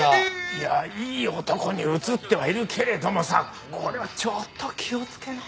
いやいい男に映ってはいるけれどもさこれはちょっと気をつけないと。